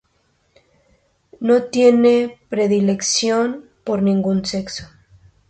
No tiene predilección por ningún sexo.